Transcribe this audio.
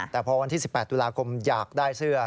แต่พอวันที่๑๘ตุลาคมอยากได้เสื้อ